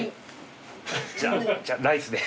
じゃあライスで。